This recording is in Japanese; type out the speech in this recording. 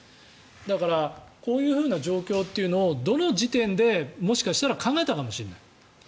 だからこういう状況というのをどの時点で、もしかしたら考えたかもしれない。